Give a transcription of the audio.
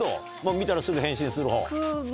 見たらすぐ返信する方？